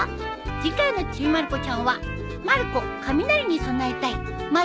次回の『ちびまる子ちゃん』は。